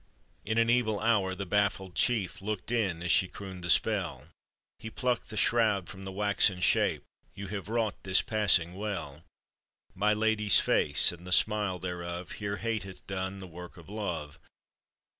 In an evil hour the baffled chief Looked in as she crooned the spell ; He plucked the shroud from the waxen shape: " You have wrought this passing well ; My lady's face, and the smile thereof; Here hate hath done the work of love.